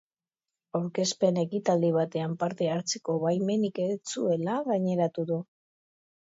Aurkezpen ekitaldi batean parte hartzeko baimenik ez zuela gaineratu du.